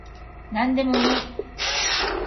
なんでもいい